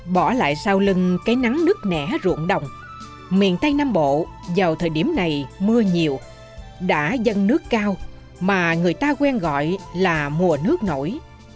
bỏ lại sau lưng cái nắng nứt nẻ ruộng đồng miền tây nam bộ vào thời điểm này mưa nhiều đã dâng nước cao mà người ta quen gọi là mùa nước nổi